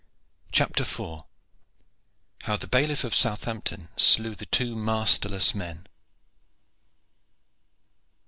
CHAPTER IV. HOW THE BAILIFF OF SOUTHAMPTON SLEW THE TWO MASTERLESS MEN.